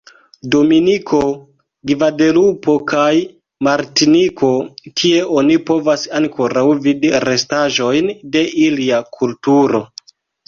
Dominiko, Gvadelupo kaj Martiniko, kie oni povas ankoraŭ vidi restaĵojn de ilia kulturo.